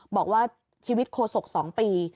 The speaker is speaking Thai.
บอกว่าชีวิตโคศก๒ปี